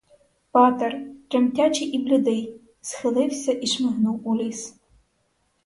Патер, тремтячий і блідий, схилився і шмигнув у ліс.